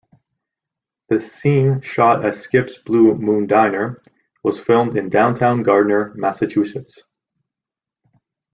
The scene shot at Skip's Blue Moon Diner was filmed in downtown Gardner, Massachusetts.